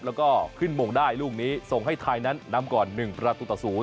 แล้วก็ขึ้นมงได้ลูกนี้ส่งให้ไทยนั้นนำก่อน๑ประตูต่อ๐